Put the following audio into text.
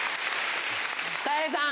たい平さん。